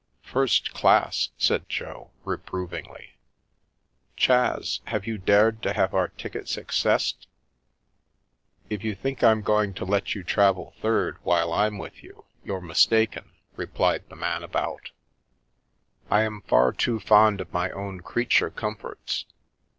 "First class!" said Jo, reprovingly. " Chas, have you dared to have our tickets excessed ?"" If you think I'm going to let you travel third while I'm with you, you're mistaken," replied the Man about. The Milky Way " I am far too fond of my own creature comforts.